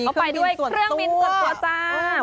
เข้าไปด้วยเครื่องบินส่วนพันก่อนจ้าเป็นเครื่องบินส่วนตัว